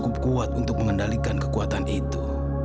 kau belum cukup kuat untuk mengendalikan kekuatan itu